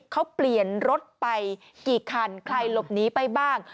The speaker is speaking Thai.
เขาเปลี่ยนรถไปกี่คันใครหลบหนีไปบ้าง